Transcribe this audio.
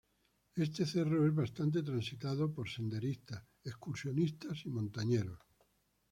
Este cerro es bastante transitado por senderistas, excursionistas y montañeros.